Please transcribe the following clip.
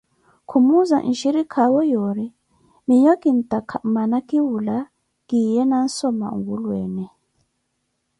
Khumuuza nshirikaawe yoori miiyo kintaaka mmana khiwula kiye nansoma nwulweene.